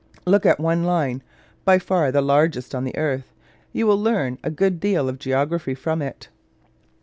Look at one line: by far the largest on the earth. You will learn a good deal of geography from it.